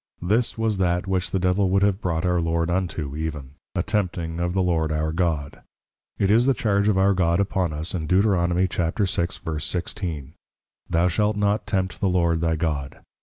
This was that which the Devil would have brought our Lord unto, even, A tempting of the Lord our God. It is the charge of our God upon us, in Deut. 6.16. _Thou shalt not Tempt the Lord thy God.